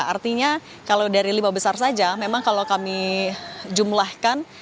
artinya kalau dari lima besar saja memang kalau kami jumlahkan